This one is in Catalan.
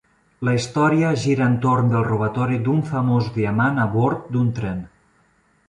La història gira entorn del robatori d'un famós diamant a bord d'un tren.